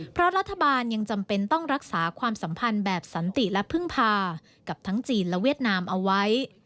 เพราะรัฐบาลยังจำเป็นต้องรักษาความสัมพันธ์แบบสันติและพึ่งพากับทั้งจีนและเวียดนามเอาไว้